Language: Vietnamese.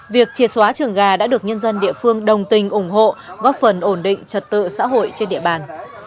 việc triệt xóa trường gà đã được nhân dân địa phương đồng tình ủng hộ góp phần ổn định trật tự xã hội trên địa bàn